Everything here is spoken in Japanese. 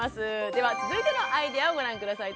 では続いてのアイデアをご覧下さい。